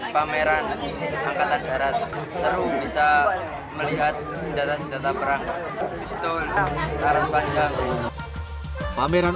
pameran angkatan darat seru bisa melihat senjata senjata perang pistol arus panjang pameran